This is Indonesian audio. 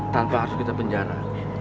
tanpa harus kita penjara